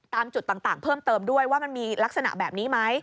ตามจุดต่างเพิ่มเติมด้วยว่ามันมีลักษณะแบบนี้ไหม